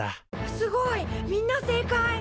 すごいみんな正解。